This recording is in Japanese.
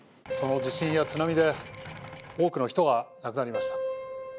その地震や津波で多くの人が亡くなりました。